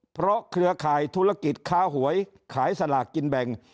เพราะเครือข่ายธุรกิจค้าหวยขายสลากกินแบ่ง